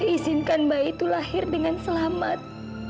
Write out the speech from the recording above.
izinkan bayi itu lahir dengan selamat